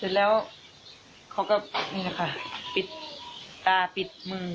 เสร็จแล้วเขาก็ปิดตาปิดมือ